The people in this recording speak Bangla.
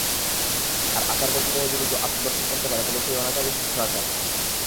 আর আচার-বর্জিত হয়ে যদি কেউ আত্মদর্শন করতে পারে, তবে সেই অনাচারই শ্রেষ্ঠ আচার।